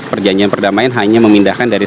perjanjian perdamaian hanya memindahkan dari